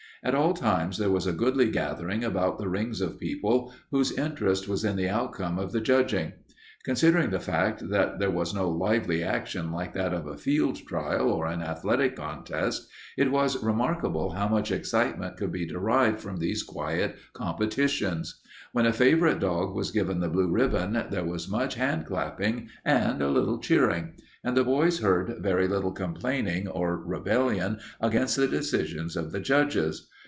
At all times there was a goodly gathering about the rings of people whose interest was in the outcome of the judging. Considering the fact that there was no lively action like that of a field trial or an athletic contest, it was remarkable how much excitement could be derived from these quiet competitions. When a favorite dog was given the blue ribbon there was much hand clapping and a little cheering, and the boys heard very little complaining or rebellion against the decisions of the judges.